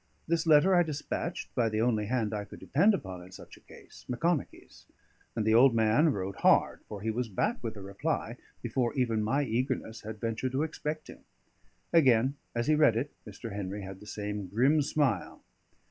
This letter I despatched by the only hand I could depend upon in such a case Macconochie's; and the old man rode hard, for he was back with the reply before even my eagerness had ventured to expect him. Again, as he read it, Mr. Henry had the same grim smile.